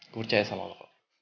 gue percaya sama lo kok